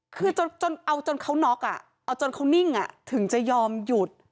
คือจนเอาจนเขาน็อกเอาจนเขานิ่งถึงจะยอมหยุด